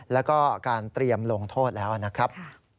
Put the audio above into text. แล้วก็การเตรียมลงโทษแล้วนะครับ